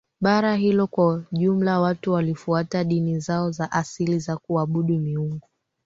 bara hilo Kwa jumla watu walifuata dini zao za asili za kuabudu miungu